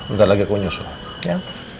ntar lagi aku nyusul ya